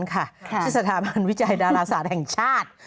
ที่สถาบันวิจัยดาราศาสตร์แห่งชาติ